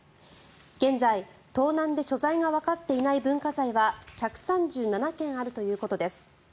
現在、盗難で所在がわかっていない文化財は１３７件あるということです。